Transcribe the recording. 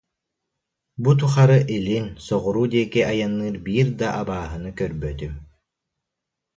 Бу тухары илин, соҕуруу диэки айанныыр биир да абааһыны көрбөтүм